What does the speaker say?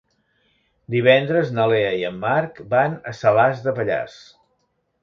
Divendres na Lea i en Marc van a Salàs de Pallars.